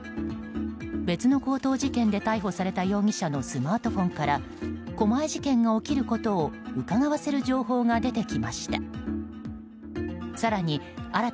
別の強盗事件で逮捕された容疑者のスマートフォンから狛江事件が起きることをうかがわせる情報が出てきました。